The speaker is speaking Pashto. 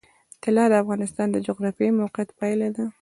طلا د افغانستان د جغرافیایي موقیعت پایله ده.